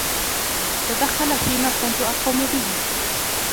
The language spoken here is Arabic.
تدخل فيما كنت أقوم به.